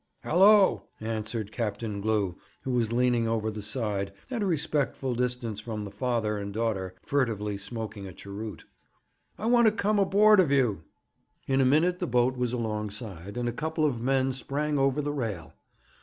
'Hallo!' answered Captain Glew, who was leaning over the side, at a respectful distance from the father and daughter, furtively smoking a cheroot. 'I want to come aboard of you.' In a minute the boat was alongside, and a couple of men sprang over the rail.